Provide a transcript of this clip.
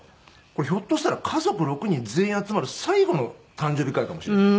これひょっとしたら家族６人全員集まる最後の誕生日会かもしれない。